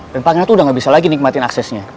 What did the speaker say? dan pangeran tuh udah gak bisa lagi nikmatin aksesnya